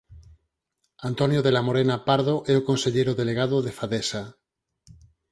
Antonio de la Morena Pardo é o conselleiro delegado de Fadesa.